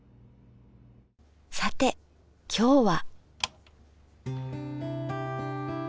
さて今日は。